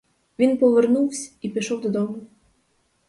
Він повернувсь і пішов додому.